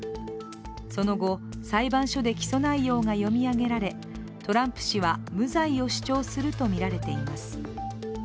その後、裁判所で起訴内容が読み上げられトランプ氏は無罪を主張するとみられています